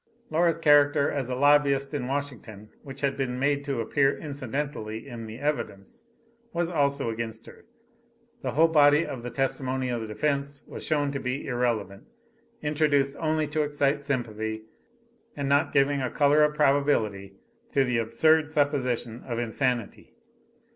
Laura's character as a lobbyist in Washington which had been made to appear incidentally in the evidence was also against her: the whole body of the testimony of the defense was shown to be irrelevant, introduced only to excite sympathy, and not giving a color of probability to the absurd supposition of insanity.